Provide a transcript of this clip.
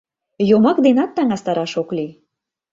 Йомак денат таҥастараш ок лий.